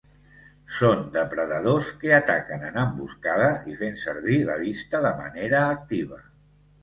Són depredadors que ataquen en emboscada i fent servir la vista de manera activa.